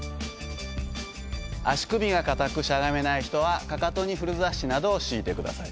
足首が硬くしゃがめない人はかかとに古雑誌などを敷いて下さい。